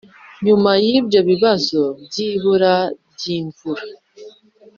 nyuma y’ibyo bibazo by’ibura ry’imvura